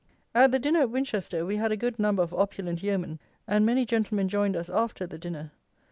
At the dinner at Winchester we had a good number of opulent yeomen, and many gentlemen joined us after the dinner.